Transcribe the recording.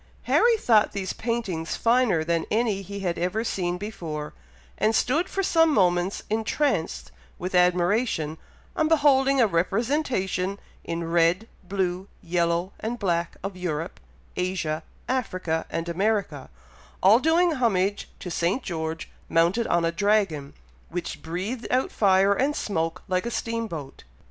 Harry thought these paintings finer than any he had ever seen before, and stood for some moments entranced with admiration, on beholding a representation in red, blue, yellow, and black, of Europe, Asia, Africa, and America, all doing homage to St. George mounted on a dragon, which breathed out fire and smoke like a steam boat.